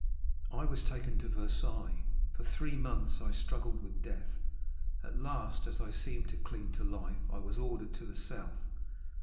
I was taken to Versailles; for three months I struggled with death; at last, as I seemed to cling to life, I was ordered to the South.